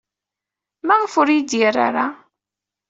Maɣef ur iyi-d-yeɣri ara?